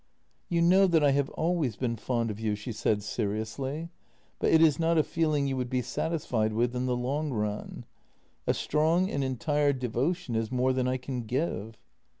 " You know that I have always been fond of you," she said seriously, " but it is not a feeling you would be satisfied with in the long run. A strong and entire devotion is more than I can give."